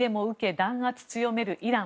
弾圧強めるイラン。